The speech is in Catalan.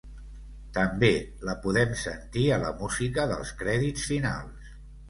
També la podem sentir a la música dels crèdits finals.